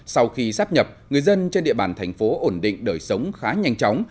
sau khi sắp nhập người dân trên địa bàn thành phố ổn định đời sống khá nhanh chóng